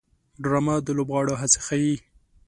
ډرامه د لوبغاړو هڅې ښيي